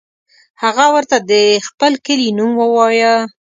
هغه ورته د خپل کلي نوم ووایه.